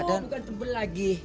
oh bukan tebal lagi